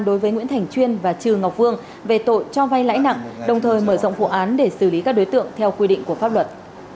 đối với nguyễn thành chuyên và trừ ngọc phương về tội cho vay lãi nặng đồng thời mở rộng vụ án để xử lý các đối tượng theo quy định của pháp luật